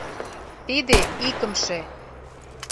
Тиде — икымше.